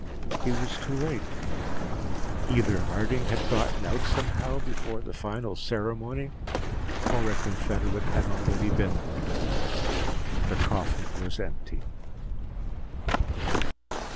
He was too late. Either Harding had gotten out somehow before the final ceremony or a confederate had already been here. The coffin was empty.